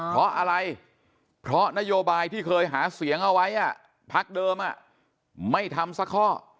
เพราะอะไรเพราะนโยบายที่เคยหาเสียงเอาไว้พักเดิมไม่ทำสักข้อ